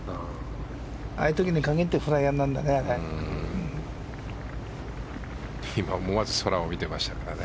ああいうときに限ってフライヤーになるんだね。